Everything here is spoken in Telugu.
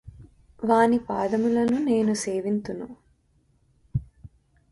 వాని పాదములను నేను సేవింతును